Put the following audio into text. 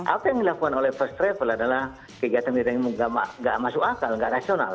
apa yang dilakukan oleh first travel adalah kegiatan kegiatan yang nggak masuk akal nggak rasional